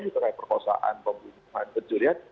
misalnya perkosaan pembunuhan pencurian